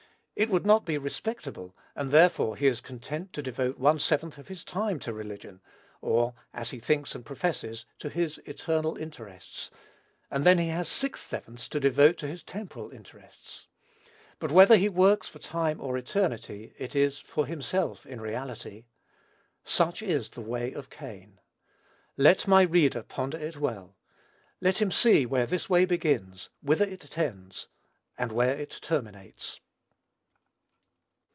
It would not be respectable; and, therefore, he is content to devote one seventh of his time to religion; or, as he thinks and professes, to his eternal interests; and then he has six sevenths to devote to his temporal interests; but whether he works for time or eternity, it is for himself, in reality. Such is "the way of Cain." Let my reader ponder it well. Let him see where this way begins, whither it tends, and where it terminates.